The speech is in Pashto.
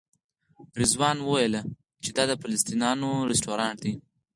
رضوان وویل چې دا د فلسطینیانو رسټورانټ دی.